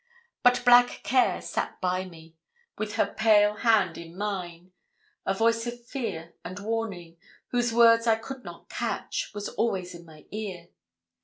But black Care sat by me, with her pale hand in mine: a voice of fear and warning, whose words I could not catch, was always in my ear.